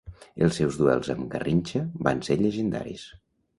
Els seus duels amb Garrincha van ser llegendaris.